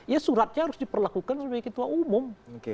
ya suratnya harus diperlakukan sebagai ketua umum